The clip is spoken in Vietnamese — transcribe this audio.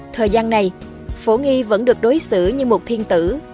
thời gian này phổ nghi vẫn được đối xử như một thiên tử